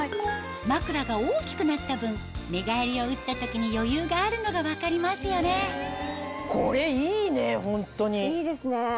枕が大きくなった分寝返りを打った時に余裕があるのが分かりますよねいいですね。